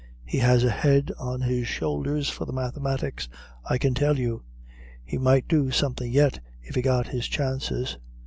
He has a head on his shoulders for the mathematics, I can tell you; he might do something yet, if he got his chances.